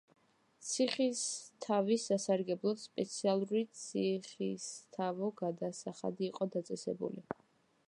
ციხისთავის სასარგებლოდ სპეციალური საციხისთავო გადასახადი იყო დაწესებული.